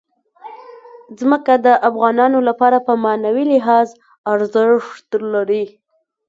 ځمکه د افغانانو لپاره په معنوي لحاظ ارزښت لري.